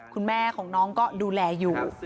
คุณแม่ของน้องก็ดูแลอยู่